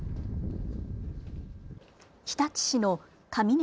日立市のかみね